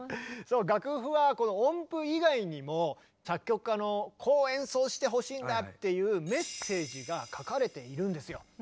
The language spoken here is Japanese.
楽譜はこの音符以外にも作曲家の「こう演奏してほしいんだ」っていうメッセージが書かれているんですよ。